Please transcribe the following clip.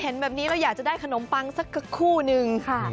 เห็นแบบนี้เราอยากจะได้ขนมปังสักคู่นึง